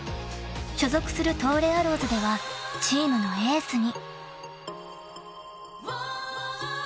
［所属する東レアローズではチームのエースに］